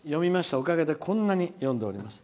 おかげで、こんなに読んでおります。